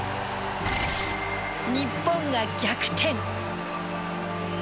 日本が逆転。